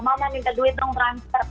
mau minta duit dong transfer